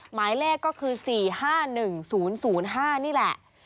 หมายเลขก็คือ๔๕๑๐๐๕นี่แหละ